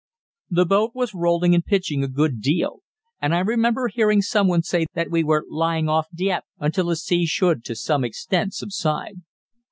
The boat was rolling and pitching a good deal, and I remember hearing someone say that we were lying off Dieppe until the sea should to some extent subside.